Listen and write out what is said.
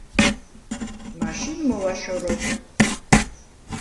მაშინ მოვაშოროთ.